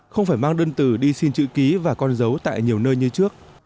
không phải mang đơn từ đi xin chữ ký và con dấu tại nhiều nơi như trước